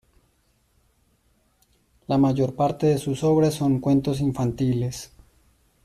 La mayor parte de sus obras son cuentos infantiles.